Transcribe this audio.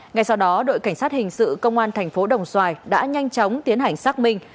ngay sau đó đội cảnh sát hình sự công an thành phố đồng xoài đã nhanh chóng tiến hành xác minh